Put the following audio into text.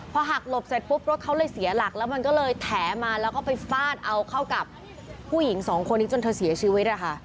พอหักหลบเสร็จปุ๊บรถเขาเลยเสียหลักแล้วมันก็เลยแถมาแล้วก็ไปฟาดเอาเข้ากับผู้หญิงสองคนนี้จนเธอเสียชีวิตนะคะ